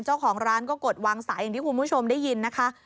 เจ้าของร้านก็กดวางสายอย่างที่คุณผู้ชมได้ยินนะคะ